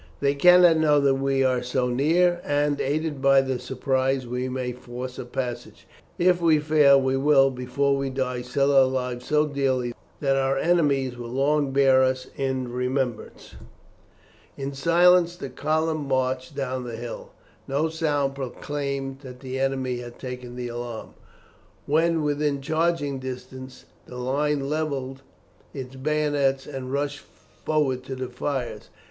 They cannot know that we are so near, and, aided by the surprise, we may force a passage. If we fail, we will, before we die, sell our lives so dearly that our enemies will long bear us in remembrance." In silence the column marched down the hill. No sound proclaimed that the enemy had taken the alarm. When within charging distance, the line levelled its bayonets and rushed forward to the fires.